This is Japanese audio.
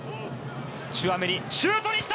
チュアメニシュートに行った！